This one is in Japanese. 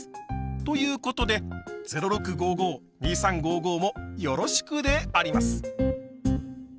ということで「０６５５」「２３５５」もよろしくであります！